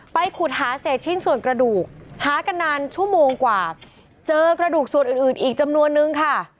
ขุดหาเศษชิ้นส่วนกระดูกหากันนานชั่วโมงกว่าเจอกระดูกส่วนอื่นอื่นอีกจำนวนนึงค่ะ